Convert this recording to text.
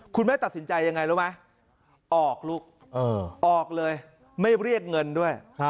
คุณแม่ตัดสินใจยังไงรู้ไหมออกลูกออกเลยไม่เรียกเงินด้วย